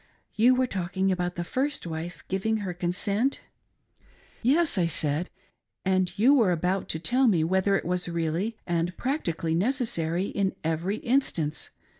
You were talking about the first wife giving her consent .'" "Yes," I said, "and you were about to tell me whether it was really and practically necessary in every instance.